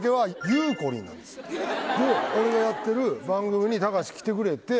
俺がやってる番組に貴士来てくれて。